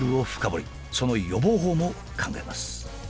その予防法も考えます。